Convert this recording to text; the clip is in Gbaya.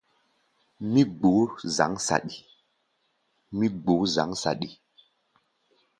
Mɛ gbó zǎŋ saɗi.